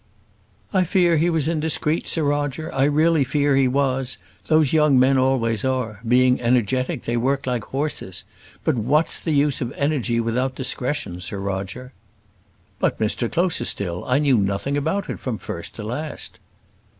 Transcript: "I fear he was indiscreet, Sir Roger; I really fear he was. Those young men always are. Being energetic, they work like horses; but what's the use of energy without discretion, Sir Roger?" "But, Mr Closerstil, I knew nothing about it from first to last."